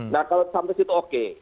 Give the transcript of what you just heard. nah kalau sampai situ oke